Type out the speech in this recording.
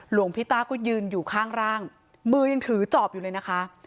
หลวงพี่ต้าก็ยืนอยู่ข้างร่างมือยังถือจอบอยู่เลยนะคะ